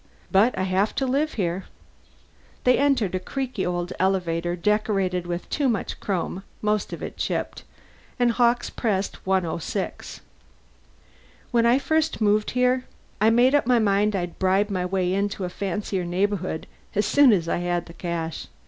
But I have to live here." They entered a creaky old elevator decorated with too much chrome, most of it chipped, and Hawkes pressed 106. "When I first moved in here, I made up my mind I'd bribe my way into a fancier neighborhood as soon as I had the cash.